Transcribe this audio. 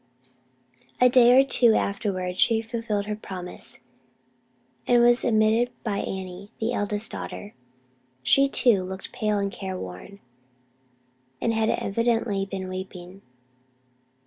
A day or two afterward she fulfilled her promise, and was admitted by Annie, the eldest daughter. She, too, looked pale and careworn, and had evidently been weeping.